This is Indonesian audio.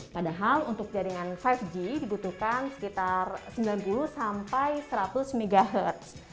padahal untuk jaringan lima g dibutuhkan sekitar sembilan puluh sampai seratus mhz